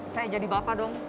saya jadi bapak dong